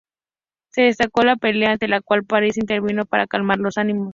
Se desató la pelea, ante lo cual París intervino para calmar los ánimos.